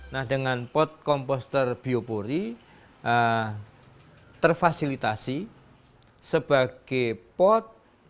nah dengan pot komposter biopori terfasilitasi sebagai pot